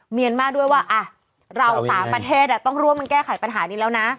เมียนมาร์ด้วยว่าเราสามประเทศต้องร่วมกันแก้ไขปัญหานี้แล้วนะ